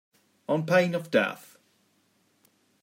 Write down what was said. On pain of death